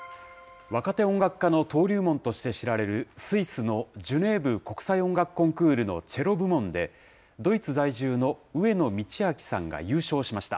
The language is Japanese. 若手音楽家の登竜門として知られるスイスのジュネーブ国際音楽コンクールのチェロ部門で、ドイツ在住の上野通明さんが優勝しました。